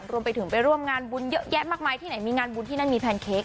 รวมไปถึงไปร่วมงานบุญเยอะแยะมากมายที่ไหนมีงานบุญที่นั่นมีแพนเค้ก